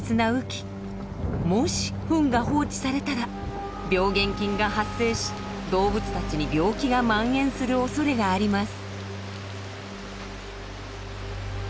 もしフンが放置されたら病原菌が発生し動物たちに病気が蔓延するおそれがあります。